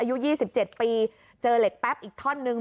อายุยี่สิบเจ็ดปีเจอเหล็กแป๊บอีกท่อนึง